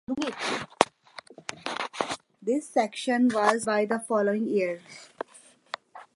This section was completed by the following year.